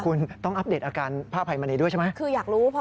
คุณต้องอัพเดตอาการของพระอภัยมณีด้วยใช่มั้ย